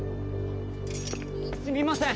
すみません。